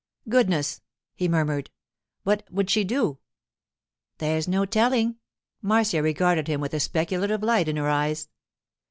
'Goodness!' he murmured, 'what would she do?' 'There's no telling.' Marcia regarded him with a speculative light in her eyes.